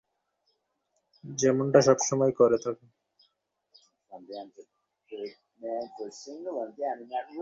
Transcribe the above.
যেমনটা সবসময় করে থাকো।